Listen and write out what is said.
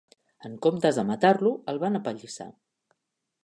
En comptes de matar-lo, el van apallissar.